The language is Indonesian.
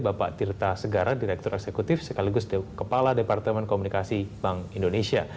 bapak tirta segara direktur eksekutif sekaligus kepala departemen komunikasi bank indonesia